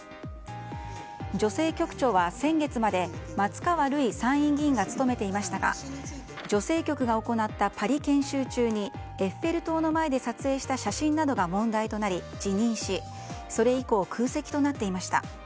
女性局長は先月まで松川るい参議院議員が務めていましたが女性局が行ったパリ研修中にエッフェル塔の前で撮影した写真などが問題となり辞任しそれ以降、空席となっていました。